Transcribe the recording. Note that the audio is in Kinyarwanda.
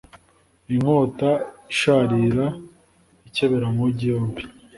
Inkota isharira ikebera amugi yombi